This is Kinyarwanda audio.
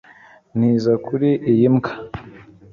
Nzita kuri iyi mbwa